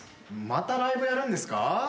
またライブやるんですか？